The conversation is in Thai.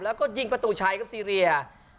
แล้วก็ยิงประตูชัยครับซีเรีย